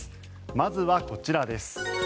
まずはこちらです。